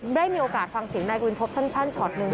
ได้มีโอกาสฟังเสียงนายกวินพบสั้นช็อตหนึ่ง